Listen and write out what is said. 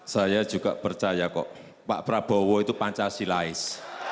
saya juga percaya kok pak prabowo itu pancasilais